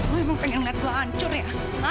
lo emang pengen lihat gue hancur ya